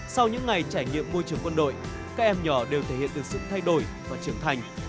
sau những ngày trải nghiệm môi trường quân đội các em nhỏ đều thể hiện được sự thay đổi và trưởng thành